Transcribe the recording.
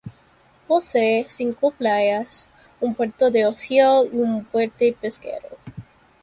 Posee cinco playas, un puerto de ocio y un puerto pesquero.